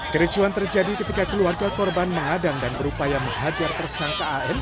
kericuan terjadi ketika keluarga korban menghadang dan berupaya menghajar tersangka an